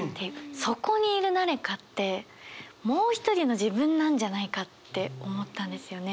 「そこにいる誰か」ってもう一人の自分なんじゃないかって思ったんですよね。